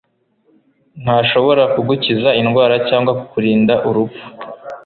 ntashobora kugukiza indwara cyangwa kukurinda urupfu